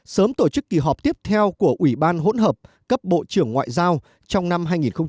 sớm tổ chức kỳ họp tiếp theo của ủy ban hỗn hợp cấp bộ trưởng ngoại giao trong năm hai nghìn hai mươi